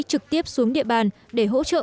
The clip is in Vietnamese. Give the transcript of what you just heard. trực tiếp xuống địa bàn để hỗ trợ